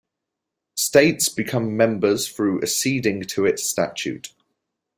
States become members through acceding to its statute.